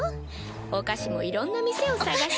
お菓子もいろんな店を探して。